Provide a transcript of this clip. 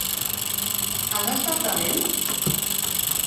Has estat bevent?